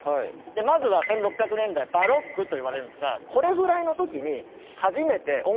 まずは１６００年代バロックといわれるんですがこれぐらいのときに。